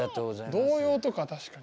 童謡とか確かに。